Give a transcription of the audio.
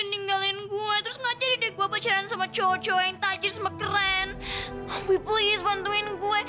ninggalin gue terus gak jadi deh gue pacaran sama cowok cowok yang tajir sama keren hobi please bantuin gue